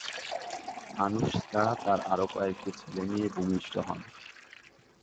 আনুশ ছাড়া তাঁর আরো কয়েকটি ছেলে-মেয়ে ভূমিষ্ঠ হন।